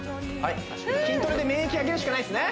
筋トレで免疫上げるしかないですね